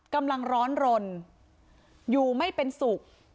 กำลังร้อนรนอยู่ไม่เป็นสุข